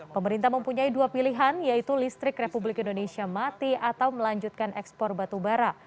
pemerintah mempunyai dua pilihan yaitu listrik republik indonesia mati atau melanjutkan ekspor batubara